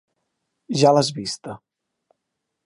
Ja l'has vista.